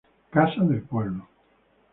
Casa del Pueblo.